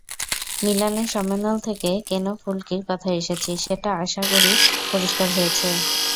মিলানের সম্মেলন থেকে কেন ফুলকির কথায় এসেছি, সেটা আশা করি পরিষ্কার হয়েছে।